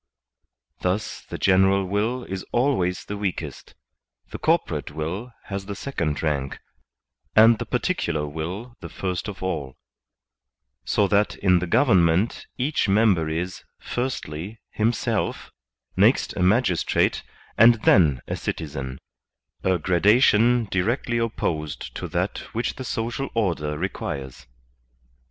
Thus the general will is always the weakest, the corporate will has the second rank, and the particular will the first of all; so that in the govern ment each member is, firstly, himself, next a magistrate, and then a citizen — a gradation directly opposed to that which the social order requires.